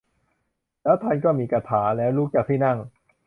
ด้วยธรรมีกถาแล้ว ลุกจากที่นั่ง